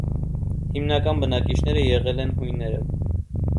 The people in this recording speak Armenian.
Հիմնական բնակիչները եղել են հույները։